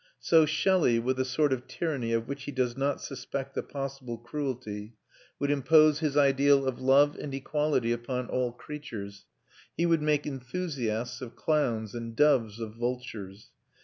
So Shelley, with a sort of tyranny of which he does not suspect the possible cruelty, would impose his ideal of love and equality upon all creatures; he would make enthusiasts of clowns and doves of vultures.